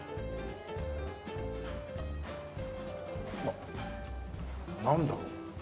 あっなんだろう？